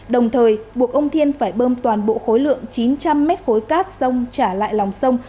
đồng thời buộc ông thiên phải bơm toàn bộ khối lượng chín trăm linh mét khối cát sông trả lại lòng sông